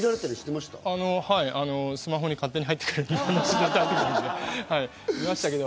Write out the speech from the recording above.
スマホに勝手に入ってくるので見てましたけど。